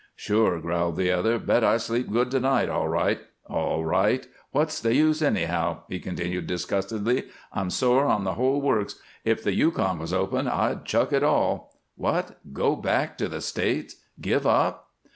"Sure," growled the other. "Bet I sleep good to night, all right, all right. What's the use, anyhow?" he continued, disgustedly. "I'm sore on the whole works. If the Yukon was open I'd chuck it all." "What! Go back to the States? Give up?"